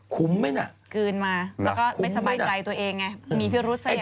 ไหมน่ะกลืนมาแล้วก็ไม่สบายใจตัวเองไงมีพิรุษซะอย่าง